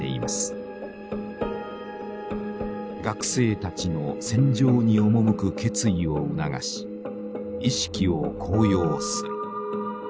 「学生たちの戦場に赴く決意を促し意識を高揚する」。